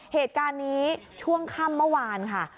เหตุการณ์นี้ช่วงค่ำเมื่อวานค่ะ